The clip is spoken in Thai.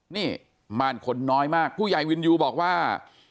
นี่ม่านคนน้อยมากผู้ใหญ่วินยูบอกว่า